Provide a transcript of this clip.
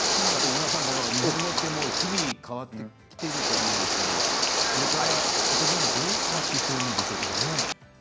あと飯間さん、日本語って日々、変わってきていると思うんですけどこれから、ことばはどう変わっていくんでしょうかね。